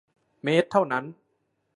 เมตรเท่านั้น